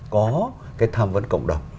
có cái tham vấn cộng đồng